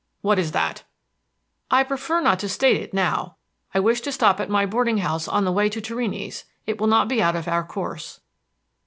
"What is that?" "I prefer not to state it now. I wish to stop at my boarding house on the way to Torrini's; it will not be out of our course."